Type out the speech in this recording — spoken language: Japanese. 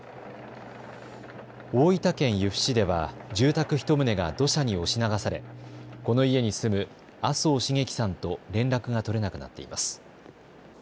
大分県由布市では住宅１棟が土砂に押し流されこの家に住む麻生繁喜さんと連絡が取れなくなっています。